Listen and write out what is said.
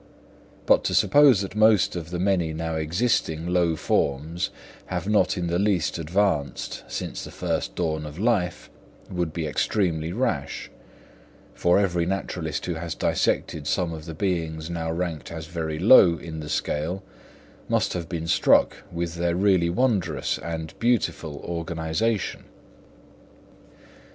But to suppose that most of the many now existing low forms have not in the least advanced since the first dawn of life would be extremely rash; for every naturalist who has dissected some of the beings now ranked as very low in the scale, must have been struck with their really wondrous and beautiful organisation.